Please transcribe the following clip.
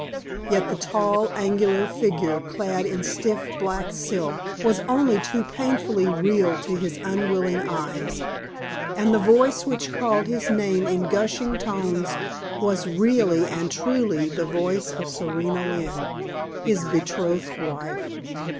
Yet the tall, angular figure clad in stiff black silk was only too painfully real to his unwilling eyes; and the voice which called his name in gushing tones was really and truly the voice of Serena Lynne, his betrothed wife.